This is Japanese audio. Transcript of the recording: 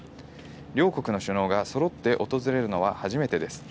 両国の首脳が揃って訪れるのは初めてです。